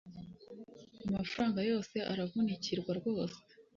Amafaranga yose aravunikirwa rwose